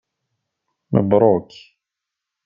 Mebruk.